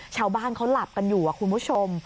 ชาวบ้านเขาหลับกันอยู่คุณผู้ชม